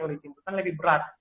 karena yang ditimbulkan lebih berat